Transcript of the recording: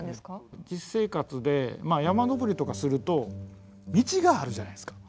実生活で山登りとかすると道があるじゃないですか。